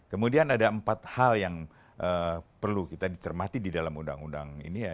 kemudian ada empat hal yang perlu kita dicermati di dalam undang undang ini ya